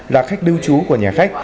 là khách đưu chú của nhà khách